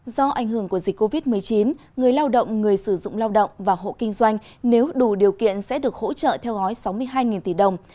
do ảnh hưởng của dịch covid một mươi chín người lao động người sử dụng lao động và hộ kinh doanh nếu đủ điều kiện sẽ được hỗ trợ theo gói sáu mươi hai tỷ đồng